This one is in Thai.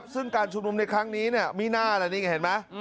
ซึ่งการชุมนุมในครั้งนี้เนี่ยมีหน้าแหละนี่เห็นไหม